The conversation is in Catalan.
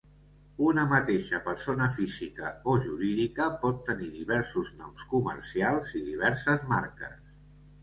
Una mateixa persona física o jurídica pot tenir diversos noms comercials i diverses marques.